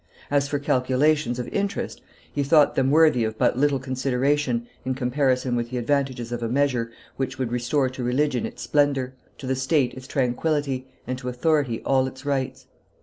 As for calculations of interest, he thought them worthy of but little consideration in comparison with the advantages of a measure which would restore to religion its splendor, to the state its tranquillity, and to authority all its rights.